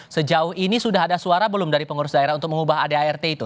sejauh ini sudah ada suara belum dari pengurus daerah untuk mengubah adart itu